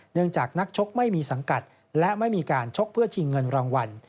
จากนักชกไม่มีสังกัดและไม่มีการชกเพื่อชิงเงินรางวัล